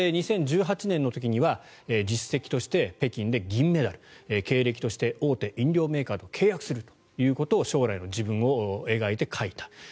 ２０１８年の時には実績として北京で銀メダル経歴として大手飲料メーカーと契約するということを将来の自分を描いて書いた。